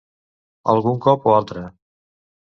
Algun cop o altre.